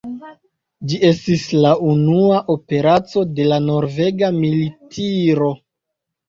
Ĝi estis la unua operaco de la norvega militiro.